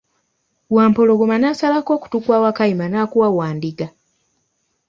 Wampologoma nasalako okuttu kwa Wakayima n'akuwa wandiga.